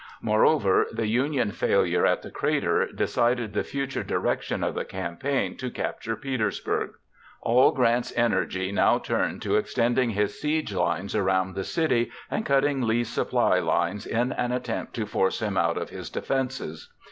Moreover, the Union failure at the crater decided the future direction of the campaign to capture Petersburg. All Grant's energy now turned to extending his siege lines around the city and cutting Lee's supply lines in an attempt to force him out of his defenses.